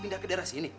pindah ke daerah sini